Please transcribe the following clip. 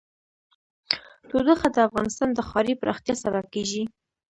تودوخه د افغانستان د ښاري پراختیا سبب کېږي.